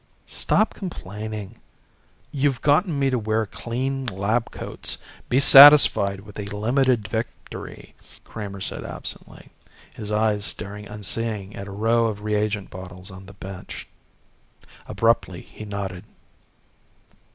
"Stop complaining. You've gotten me to wear clean lab coats. Be satisfied with a limited victory," Kramer said absently, his eyes staring unseeingly at a row of reagent bottles on the bench. Abruptly he nodded.